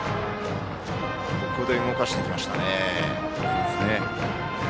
ここで動かしてきました。